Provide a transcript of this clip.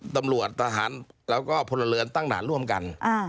ตำรวจทหารแล้วก็พลเรือนตั้งด่านร่วมกัน